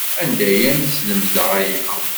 Anda ay am-slemden aya?